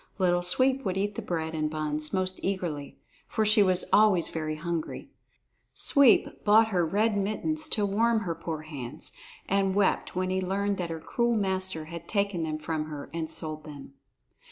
Little Sweep would eat the bread and buns most eagerly, for she was always very hungry. Sweep bought her red mittens to warm her poor hands, and wept when he learned that her cruel master had taken them from her and sold them.